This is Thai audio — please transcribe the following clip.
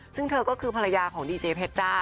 ซึ่งเธอก็คือภรรยาของดีเจเพชจ้า